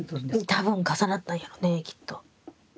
多分重なったんやろねきっと。